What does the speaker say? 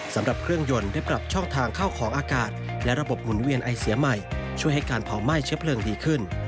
สำหรับเครื่องยนต์ได้ปรับช่องทางเข้าของอากาศและระบบหมุนเวียนไอเสียใหม่ช่วยให้การเผาไหม้เชื้อเพลิงดีขึ้น